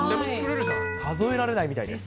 数えられないみたいです。